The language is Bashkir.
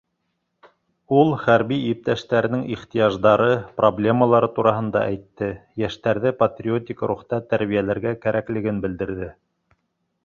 Ул хәрби иптәштәренең ихтыяждары, проблемалары тураһында әйтте, йәштәрҙе патриотик рухта тәрбиәләргә кәрәклеген белдерҙе.